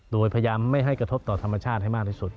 โดยพยายามไม่ให้กระทบต่อธรรมชาติให้มากที่สุด